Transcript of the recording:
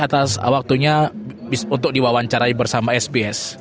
atas waktunya untuk diwawancarai bersama sbs